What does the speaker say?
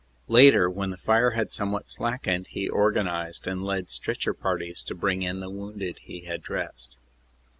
Later, when the fire had somewhat slackened, he organized and led stretcher parties to bring in the wounded he had dressed.